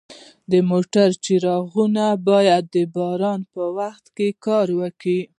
د موټر څراغونه باید د باران په وخت کار وکړي.